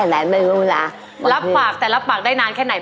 เพลงที่สี่เพลงนี้ก็มูลค่าหกหมื่นบาทครับคุณผู้ชมอินโทรเพลงที่สี่มาได้เลยครับ